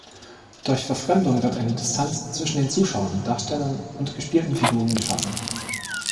Durch Verfremdung wird eine Distanz zwischen den Zuschauern, Darstellern und gespielten Figuren geschaffen.